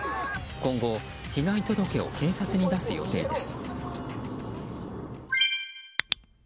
今後、被害届を警察に出す予定です。